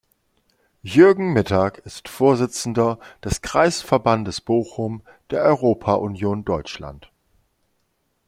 Jürgen Mittag ist Vorsitzender des Kreisverbandes Bochum der Europa-Union Deutschland.